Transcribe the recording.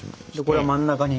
これは真ん中に。